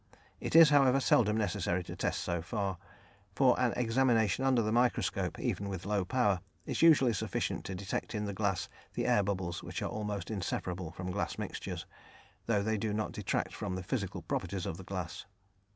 It is, however, seldom necessary to test so far, for an examination under the microscope, even with low power, is usually sufficient to detect in the glass the air bubbles which are almost inseparable from glass mixtures, though they do not detract from the physical properties of the glass.